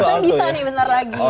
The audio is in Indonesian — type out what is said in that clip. saya bisa nih bentar lagi